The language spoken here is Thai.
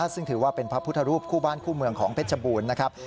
ซึ่งถือว่าเป็นพระพุทธรูปคู่บ้านคู่เมืองของเพชรบูรณ์นะครับ